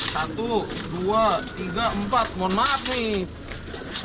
satu dua tiga empat mohon maaf nih